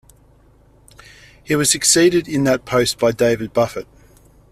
He was succeeded in that post by David Buffett.